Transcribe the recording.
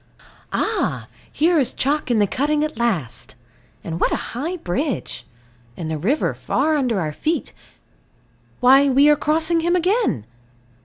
Ah, here is chalk in the cutting at last. And what a high bridge. And the river far under our feet. Why we are crossing him again!